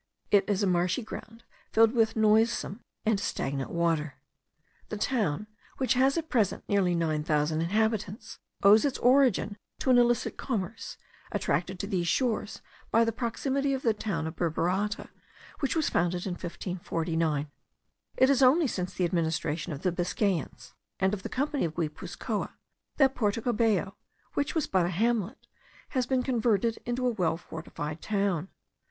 It is a marshy ground filled with noisome and stagnant water. The town, which has at present nearly nine thousand inhabitants, owes its origin to an illicit commerce, attracted to these shores by the proximity of the town of Burburata, which was founded in 1549. It is only since the administration of the Biscayans, and of the company of Guipuzcoa, that Porto Cabello, which was but a hamlet, has been converted into a well fortified town.